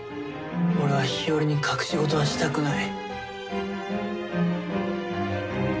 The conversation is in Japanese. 俺は日和に隠し事はしたくない。